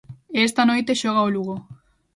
E esta noite xoga o Lugo.